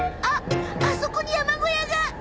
あっあそこに山小屋が！